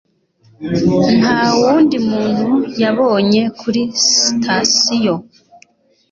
Nta wundi muntu yabonye kuri sitasiyo.